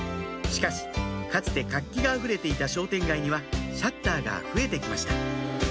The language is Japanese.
しかしかつて活気があふれていた商店街にはシャッターが増えて来ました